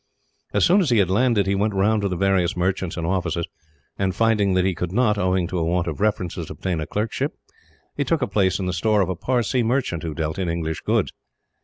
As soon as he had landed, he went round to the various merchants and offices and, finding that he could not, owing to a want of references, obtain a clerkship, he took a place in the store of a Parsee merchant who dealt in English goods.